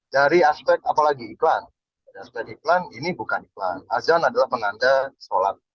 dari aspek apalagi iklan dari aspek iklan ini bukan iklan azan adalah mengandal sholat